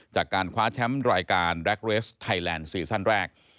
จากการคว้าแชมป์รายการแล็กเรสไทยแลนด์ซีซั่นแรก